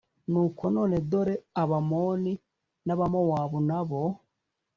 nuko none dore abamoni n abamowabu n abo